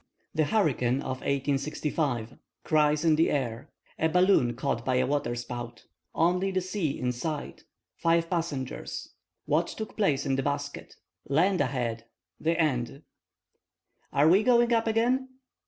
THE HURRICANE OF 1865—CRIES IN THE AIR—A BALLOON CAUGHT BY A WATERSPOUT—ONLY THE SEA IN SIGHT—FIVE PASSENGERS—WHAT TOOK PLACE IN THE BASKET—LAND AHEAD!—THE END. "Are we going up again?"